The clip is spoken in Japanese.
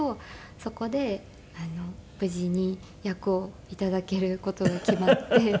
そこで無事に役を頂ける事が決まって。